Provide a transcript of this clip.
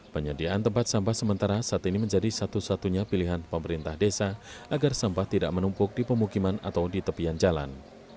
penyediaan tempat sampah sementara saat ini menjadi satu satunya pilihan pemerintah desa agar sampah tidak menumpuk di pemukiman atau di tepian jalan